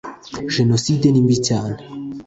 jenoside nimbi cyane.